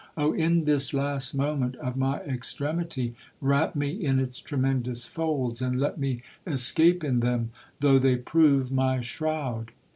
Oh! in this last moment of my extremity, wrap me in its tremendous folds, and let me escape in them, though they prove my shroud!